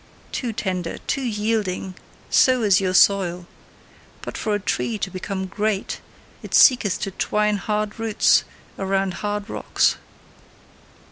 Too tender, too yielding: so is your soil! But for a tree to become GREAT, it seeketh to twine hard roots around hard rocks!